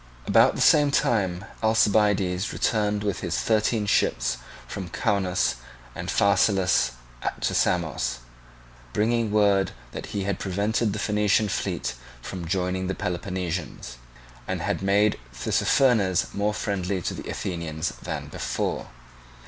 About the same time Alcibiades returned with his thirteen ships from Caunus and Phaselis to Samos, bringing word that he had prevented the Phoenician fleet from joining the Peloponnesians, and had made Tissaphernes more friendly to the Athenians than before.